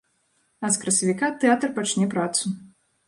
А з красавіка тэатр пачне працу.